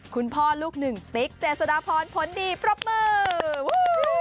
คุณพ่อลูกหนึ่งติ๊กเจษฎาพรผลดีปรบมือ